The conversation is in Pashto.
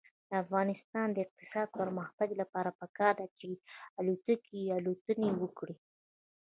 د افغانستان د اقتصادي پرمختګ لپاره پکار ده چې الوتکې الوتنې وکړي.